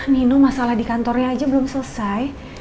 minum masalah di kantornya aja belum selesai